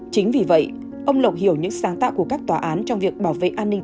chính vì vậy ông lộc hiểu những sáng tạo của các tòa án trong việc bảo vệ an ninh trật tự tại trụ sở đơn vị